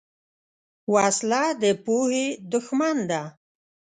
وسله د پوهې دښمن ده